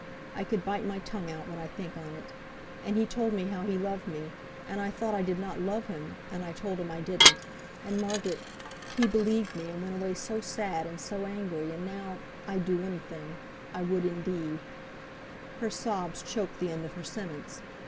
I could bite my tongue out when I think on it. And he told me how he loved me, and I thought I did not love him, and I told him I didn't; and, Margaret, he believed me, and went away so sad, and so angry; and now I'd do any thing, I would, indeed," her sobs choked the end of her sentence.